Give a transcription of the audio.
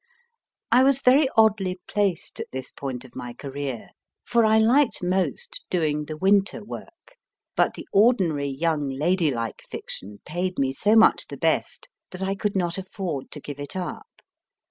I was very oddly placed at this point of my career, for I liked most doing the Winter work, but the ordinary young lady like fiction paid me so much the best, that I could not afford to give it up.